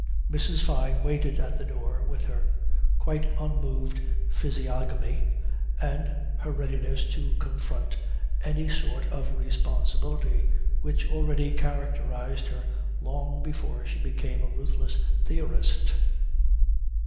Mrs. Fyne waited at the door with her quite unmoved physiognomy and her readiness to confront any sort of responsibility, which already characterized her, long before she became a ruthless theorist.